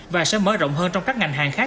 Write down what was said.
và sẽ mở rộng hơn trong các ngành hàng khác